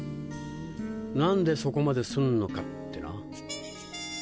何でそこまですんのかってな。